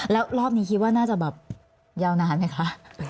แล้วรอบนี้คิดว่าน่าจะแบบยาวนานไหมคะ